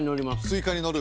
スイカにのる？